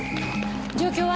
状況は？